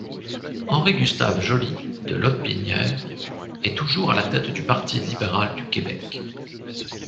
Henri-Gustave Joly de Lotbinière est toujours à la tête du Parti libéral du Québec.